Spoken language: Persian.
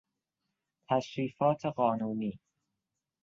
تشریفات قانونی